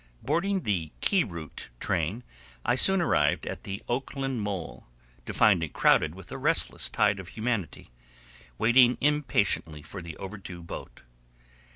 Boarding the Key Route train, I soon arrived at the Oakland mole, to find it crowded with a restless tide of humanity, waiting impatiently for the overdue boat.